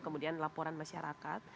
kemudian laporan masyarakat